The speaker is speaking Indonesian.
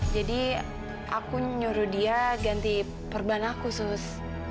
jadi aku nyuruh dia ganti perban aku sus